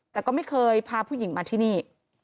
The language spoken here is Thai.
แต่ก็ไม่เคยพาผู้หญิงมาที่นี่